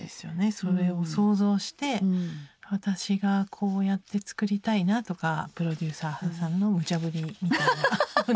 それを想像して私がこうやって作りたいなとかプロデューサーさんのむちゃぶりみたいなのに。